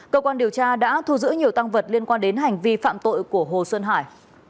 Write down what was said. cơ quan điều tra đã thu giữ nhiều tăng vật liên quan đến hành vi phạm tội của hồ xuân hải